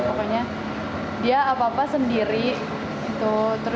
pokoknya dia apa apa sendiri gitu